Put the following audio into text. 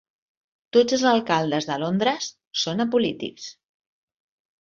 Tots els alcaldes de Londres són apolítics.